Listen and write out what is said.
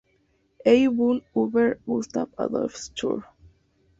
Ein Buch über Gustav Adolf Schur.